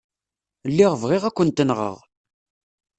Lliɣ bɣiɣ ad kent-nɣeɣ.